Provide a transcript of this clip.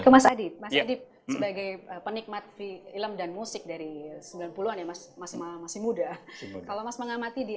mas adip sebagai penikmat film dan musik dari sembilan puluh an ya masih muda kalau masih mengamati di